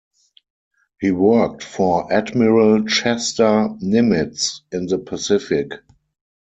He worked for Admiral Chester Nimitz in the Pacific.